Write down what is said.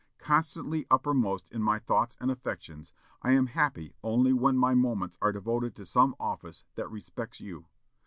Constantly uppermost in my thoughts and affections, I am happy only when my moments are devoted to some office that respects you.